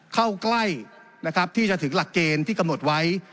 เข้าใกล้นะครับที่จะถึงหลักเกณฑ์ที่กำหนดไว้